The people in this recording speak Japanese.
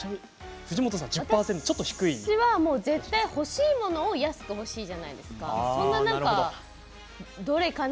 私は絶対、欲しいものを安く欲しいじゃないですかどれかな？